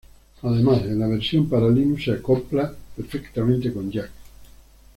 Además en la versión para linux, se acopla perfectamente con jack.